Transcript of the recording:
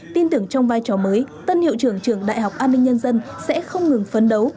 tin tưởng trong vai trò mới tân hiệu trưởng trường đại học an ninh nhân dân sẽ không ngừng phấn đấu